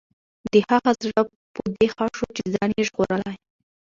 د هغه زړه په دې ښه شو چې ځان یې ژغورلی.